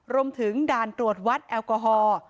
รวมถึงด่านตรวจวัดแอลกอฮอล์